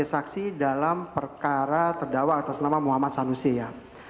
sebagai saksi dalam perkara terdakwa atas nama muhammad sanusi ya